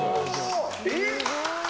えっ。